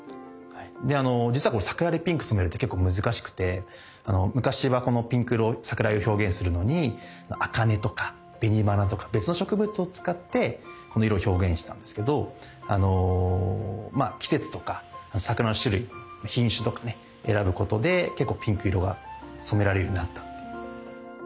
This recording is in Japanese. であの実はこの桜でピンク染めるって結構難しくて昔はこのピンク色桜色を表現するのにアカネとかベニバナとか別の植物を使ってこの色を表現したんですけど季節とか桜の種類品種とかね選ぶことで結構ピンク色が染められるようになったっていう。